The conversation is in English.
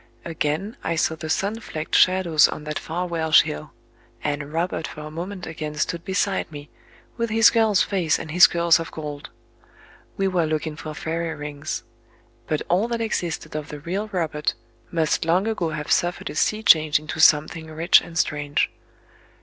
Again I saw the sun flecked shadows on that far Welsh hill; and Robert for a moment again stood beside me, with his girl's face and his curls of gold. We were looking for fairy rings... But all that existed of the real Robert must long ago have suffered a sea change into something rich and strange...